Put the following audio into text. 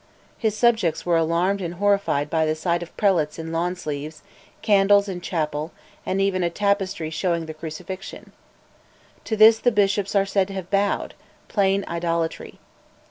His subjects were alarmed and horrified by the sight of prelates in lawn sleeves, candles in chapel, and even a tapestry showing the crucifixion. To this the bishops are said to have bowed, plain idolatry.